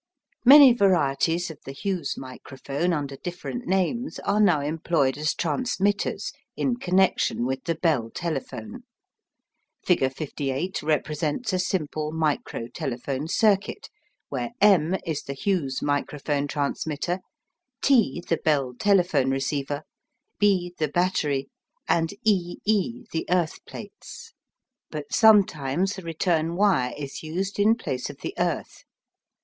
Many varieties of the Hughes microphone under different names are now employed as transmitters in connection with the Bell telephone. Figure 58 represents a simple micro telephone circuit, where M is the Hughes microphone transmitter, T the Bell telephone receiver, JB the battery, and E E the earth plates; but sometimes a return wire is used in place of the "earth."